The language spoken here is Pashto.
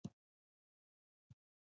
دوی سلګونه ډوله بمونه لري.